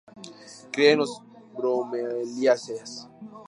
Cría en las bromeliáceas.